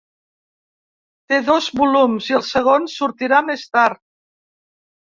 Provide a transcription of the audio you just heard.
Té dos volums, i el segon sortirà més tard.